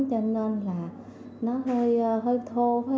cho nên là nó hơi thô hơi khó